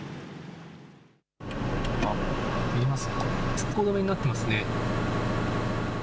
通行止めになっていますね。